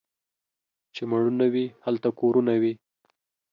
چي مړونه وي ، هلته کورونه وي.